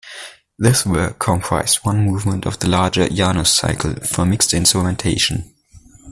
This work comprised one movement of the larger Janus Cycle, for mixed instrumentation.